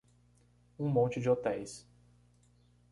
Um monte de hotéis